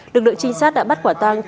lực lượng trinh sát đã bắt quả tăng